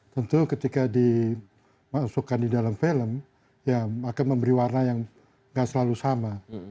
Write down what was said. tentu ketika dimasukkan di dalam film ya akan memberi warna yang nggak selalu sama